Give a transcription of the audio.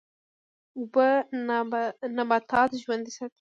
اوبه نباتات ژوندی ساتي.